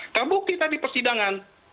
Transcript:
karena bukti tadi persidangan